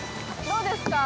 どうですか？